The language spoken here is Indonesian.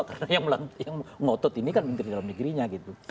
karena yang ngotot ini kan menteri dalam negerinya gitu